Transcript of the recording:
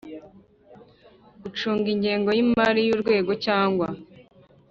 Gucunga ingengo y imari y urwego cyangwa